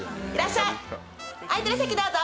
空いてる席どうぞ。